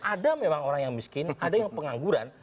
ada memang orang yang miskin ada yang pengangguran